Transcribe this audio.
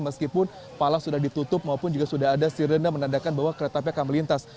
meskipun palang sudah ditutup maupun juga sudah ada sirene menandakan bahwa kereta api akan melintas